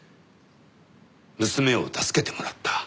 娘を助けてもらった。